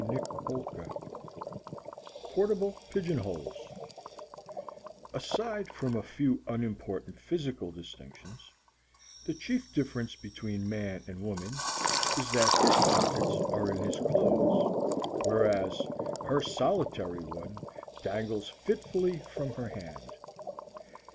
PORTABLE PIGEONHOLES Aside from a few unimportant physical distinctions, the chief difference between man and woman is that his pockets are in his clothes, whereas her solitary one dangles fitfully from her hand.